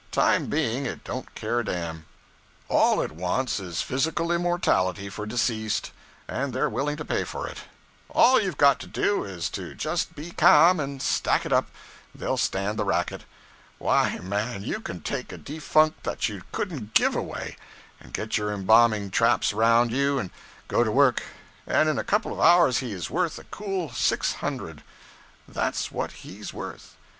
Time being, it don't care a dam. All it wants is physical immortality for deceased, and they're willing to pay for it. All you've got to do is to just be ca'm and stack it up they'll stand the racket. Why, man, you can take a defunct that you couldn't _give _away; and get your embamming traps around you and go to work; and in a couple of hours he is worth a cool six hundred that's what he's worth.